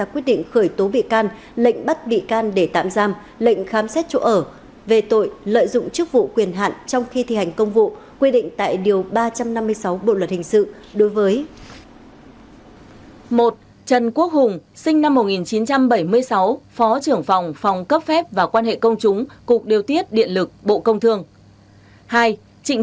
quy định tại điều ba trăm năm mươi sáu bộ luật hình sự đối với